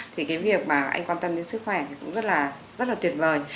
thì cái việc mà anh quan tâm đến sức khỏe thì cũng rất là tuyệt vời